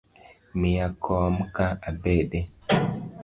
Miya kom ka abede